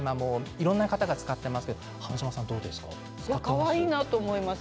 いろんな方が使っていますがかわいいなと思います。